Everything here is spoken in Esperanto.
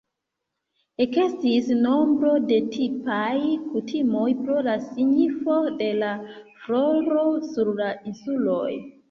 Ekestis nombro da tipaj kutimoj pro la signifo de la floro sur la insuloj.